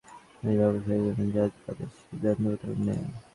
এই ব্যবসায়, কোনো জাত-পাতের সীমাবদ্ধতা নেই।